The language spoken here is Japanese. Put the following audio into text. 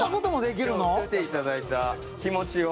来ていただいた気持ちを。